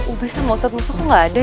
usap tower makwearou gak ada